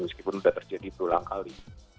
meskipun sudah terjadi berulang kali